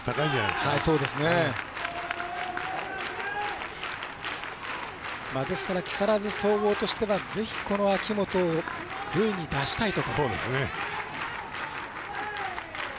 ですから木更津総合としては秋元を塁に出したいと。